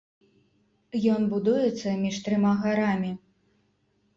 Ён будуецца між трыма гарамі.